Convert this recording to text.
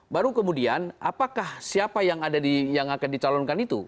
baru kemudian apakah siapa yang akan dicalonkan itu